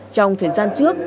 trong thời gian trước